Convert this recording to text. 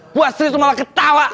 gue sendiri cuma mau ketawa